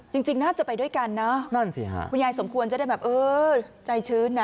จริงน่าจะไปด้วยกันนะคุณยายสมควรจะได้แบบใจชื้นนะ